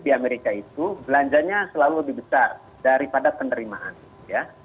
di amerika itu belanjanya selalu lebih besar daripada penerimaan ya